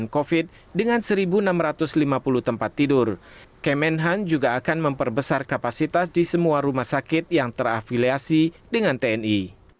kemenhan juga akan memperbesar kapasitas di semua rumah sakit yang terafiliasi dengan tni